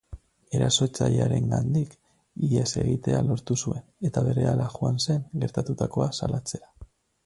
Erasotzailearengandik ihes egitea lortu zuen, eta berehala joan zen gertatutakoa salatzera.